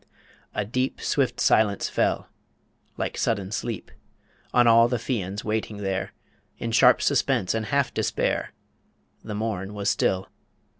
A deep Swift silence fell, like sudden sleep, On all the Fians waiting there In sharp suspense and half despair ... The morn was still.